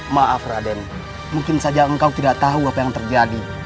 maaf raden mungkin saja engkau tidak tahu apa yang terjadi